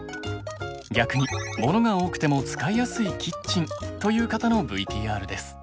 逆にモノが多くても使いやすいキッチンという方のＶＴＲです。